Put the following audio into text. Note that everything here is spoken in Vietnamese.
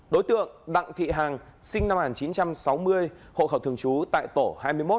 đối tượng đặng thị hằng sinh năm một nghìn chín trăm sáu mươi hộ khẩu thường trú tại tổ hai mươi một phường hà nội